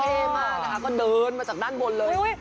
มากนะคะก็เดินมาจากด้านบนเลย